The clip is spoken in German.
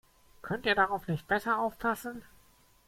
Könnt ihr darauf nicht besser aufpassen?